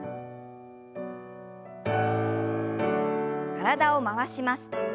体を回します。